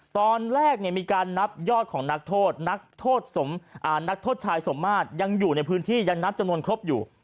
ตอนแรกมีการนับยอดของนักโทษนักโทษนักโทษชายสมมาตรยังอยู่ในพื้นที่ยังนับจำนวนครบอยู่